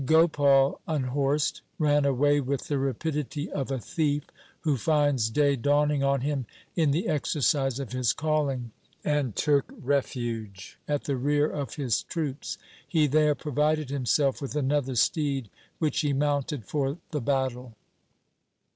Gopal, unhorsed, ran away with the rapidity of a thief who finds day dawning on him in the exercise of his calling, and took refuge at the rear of his troops. He there provided himself with another steed which he mounted for the battle.